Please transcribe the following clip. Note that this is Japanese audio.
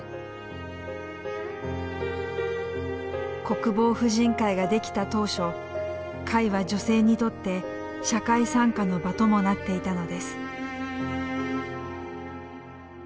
国防婦人会が出来た当初会は女性にとって社会参加の場ともなっていたのです。